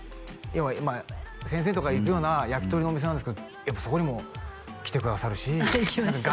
要は先生とかが行くような焼き鳥のお店なんですけどやっぱそこにも来てくださるしああ行きましたね